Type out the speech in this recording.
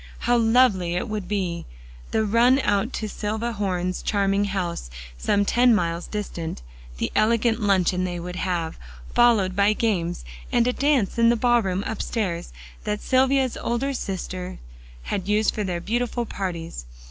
How lovely it would be! the run out to Silvia Horne's charming house some ten miles distant; the elegant luncheon they would have, followed by games, and a dance in the ball room upstairs, that Silvia's older sisters used for their beautiful parties.